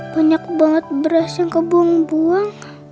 banyak banget beras yang kebuang buang